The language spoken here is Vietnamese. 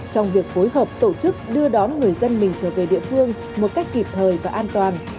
trong việc phối hợp tổ chức đưa đón người dân mình trở về địa phương một cách kịp thời và an toàn